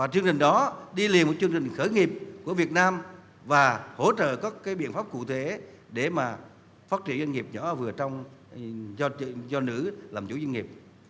chương trình đó đi liền một chương trình khởi nghiệp của việt nam và hỗ trợ các biện pháp cụ thể để phát triển doanh nghiệp nhỏ và vừa cho nữ làm chủ doanh nghiệp